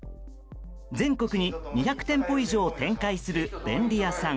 全国に２００店舗以上展開する便利屋さん。